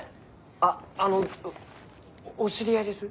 あっあのお知り合いです？